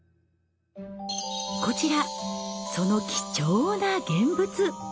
こちらその貴重な現物。